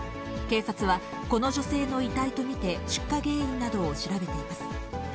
警察は、この女性の遺体と見て出火原因などを調べています。